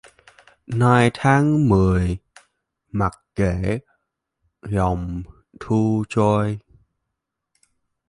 Nay tháng mười, mặc kệ dòng thu trôi